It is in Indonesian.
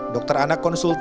dokter anak konsulnya